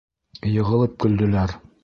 Йығылып көлдөләр.